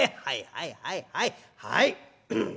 はいはいはいはいはい！